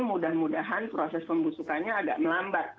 mudah mudahan proses pembusukannya agak melambat